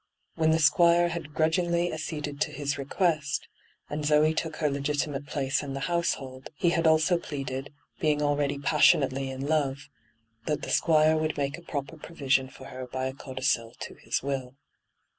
When the Squire had grudgingly acceded to his request, and Zoe took her legiti mate place in the household, he had also pleaded, being already passionately in love, hyGoogIc ENTRAPPED 45 that the Squire would make a proper provision for her by a codicil to his will.